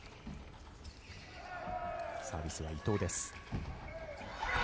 サービスは伊藤です。